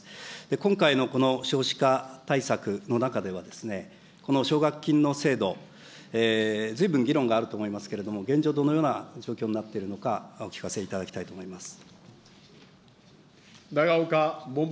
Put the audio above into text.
今回のこの少子化対策の中ではですね、この奨学金の制度、ずいぶん議論があると思いますけれども、現状どのような状況になっているのか、お聞かせいただきたいと思います。